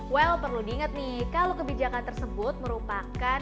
well perlu diingat nih kalau kebijakan tersebut merupakan